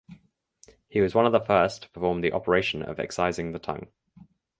He was one of the first to perform the operation of excising the tongue.